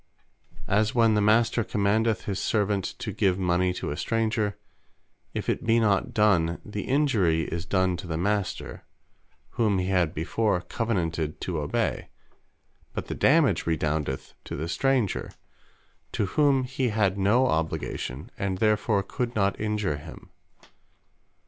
As when The Master commandeth his servant to give mony to a stranger; if it be not done, the Injury is done to the Master, whom he had before Covenanted to obey; but the dammage redoundeth to the stranger, to whom he had no Obligation; and therefore could not Injure him.